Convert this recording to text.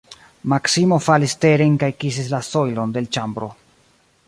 Maksimo falis teren kaj kisis la sojlon de l' ĉambro.